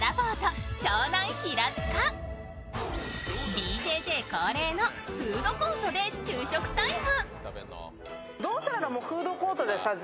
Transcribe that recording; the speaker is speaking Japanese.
ＢＪＪ恒例のフードコートで昼食タイム。